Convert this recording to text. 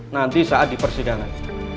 nanti saat dipersidangan